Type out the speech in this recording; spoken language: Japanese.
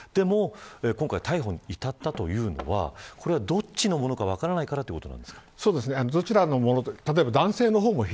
でも今回逮捕に至ったというのはこれはどっちのものか分からないからということなんですか。